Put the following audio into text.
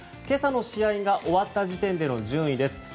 今朝の試合が終わった時点での順位です。